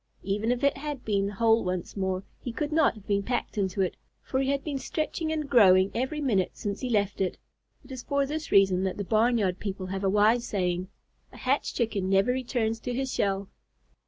Even if it had been whole once more, he could not have been packed into it, for he had been stretching and growing every minute since he left it. It is for this reason that the barn yard people have a wise saying: "A hatched chicken never returns to his shell."